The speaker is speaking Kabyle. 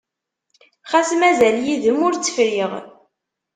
Xas mazal yid-m ur tt-friɣ.